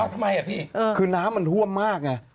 ทำไมพี่เออคือน้ำมันห่วมมาก